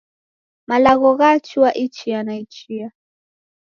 Malagho ghachua ichia na ichia